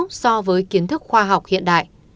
các nội dung đã quá cũ so với kiến thức khoa học hiện đại